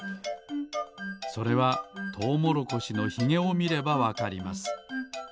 それはトウモロコシのひげをみればわかります。